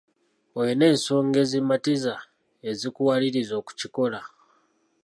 Olina ensonga ezimatiza ezikuwaliriza okukikola?